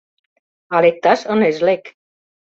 А лекташ ынеж лек.